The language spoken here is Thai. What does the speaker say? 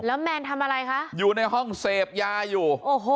แล้วแมนทำอะไรคะอยู่ในห้องเสพยาอยู่โอ้โห